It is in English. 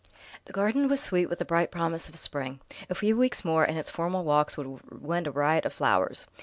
The garden was sweet with the bright promise of Spring. A few weeks more, and its formal walks would wend a riot of flowers.